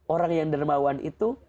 orang yang dermawan itu